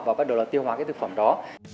và bắt đầu tiêu hóa cái thực phẩm đó